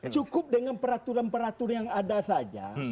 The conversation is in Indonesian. cukup dengan peraturan peraturan yang ada saja